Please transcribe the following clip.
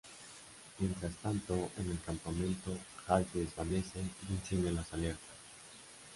Mientras tanto en el campamento, Hal se desvanece y enciende las alertas.